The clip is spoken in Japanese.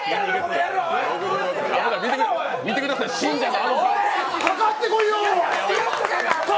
見てください信者が。